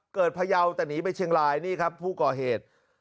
พยาวแต่หนีไปเชียงรายนี่ครับผู้ก่อเหตุ